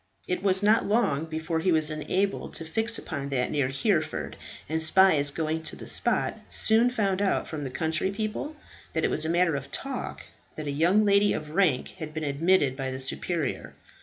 It was not long before he was enabled to fix upon that near Hereford, and spies going to the spot soon found out from the countrypeople that it was a matter of talk that a young lady of rank had been admitted by the superior.